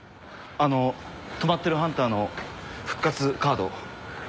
止まってるハンターの復活カード。